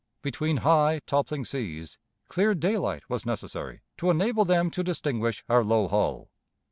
Between high, toppling seas, clear daylight was necessary to enable them to distinguish our low hull.